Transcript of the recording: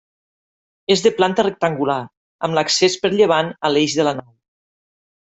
És de planta rectangular amb l'accés per llevant a l'eix de la nau.